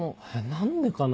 何でかな？